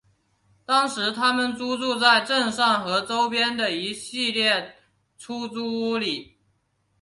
当时他们租住在镇上和周边的一系列出租屋里。